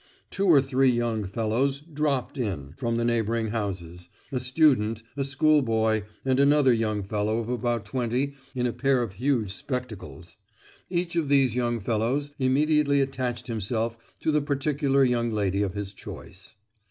Two or three young fellows "dropped in" from the neighbouring houses—a student, a school boy, and another young fellow of about twenty in a pair of huge spectacles. Each of these young fellows immediately attached himself to the particular young lady of his choice.